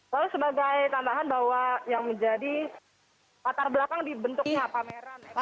lalu sebagai tambahan bahwa yang menjadi patar belakang di bentuknya pameran inakraft